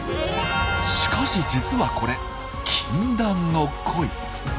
しかし実はこれ禁断の恋。